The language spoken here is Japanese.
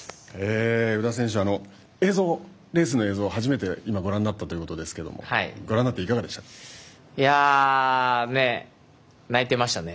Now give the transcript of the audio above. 宇田選手レースの映像を初めてご覧になったということですけれども泣いてましたね。